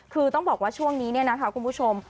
คือต้องบอกว่าช่วงนี้เนี่ยนะคะคุณผู้ชม